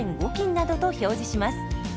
斤などと表示します。